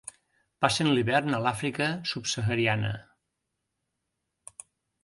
Passen l'hivern a l'Àfrica subsahariana.